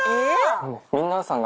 皆さんが。